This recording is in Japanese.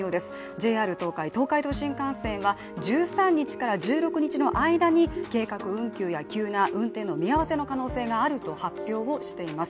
ＪＲ東海、東海道新幹線は１３日から１６日の間に計画運休や、急な運転の見合わせの可能性があると発表しています。